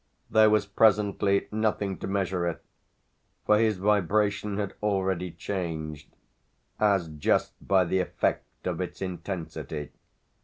There was presently nothing to measure it; for his vibration had already changed as just by the effect of its intensity.